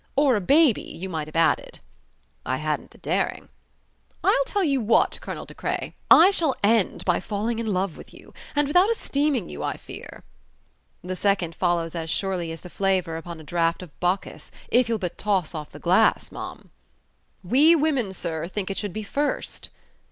Or a baby, you might have added." "I hadn't the daring." "I'll tell you what, Colonel De Craye, I shall end by falling in love with you; and without esteeming you, I fear." "The second follows as surely as the flavour upon a draught of Bacchus, if you'll but toss off the glass, ma'am." "We women, sir, think it should be first."